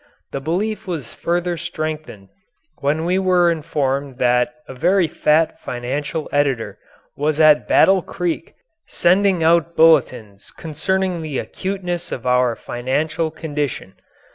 This belief was further strengthened when we were informed that a very fat financial editor was at Battle Creek sending out bulletins concerning the acuteness of our financial condition.